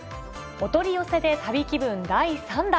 お取り寄せで旅気分、第３弾。